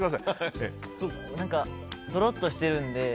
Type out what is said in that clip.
何か、ドロッとしてるので。